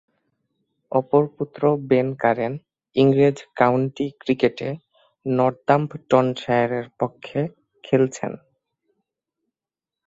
অপর পুত্র Ben Curran ইংরেজ কাউন্টি ক্রিকেটে নর্দাম্পটনশায়ারের পক্ষে খেলছেন।